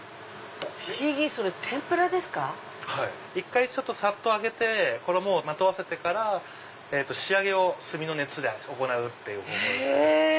１回さっと揚げて衣をまとわせてから仕上げを炭の熱で行うっていう方法です。